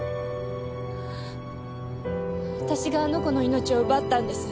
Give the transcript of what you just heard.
私があの子の命を奪ったんです。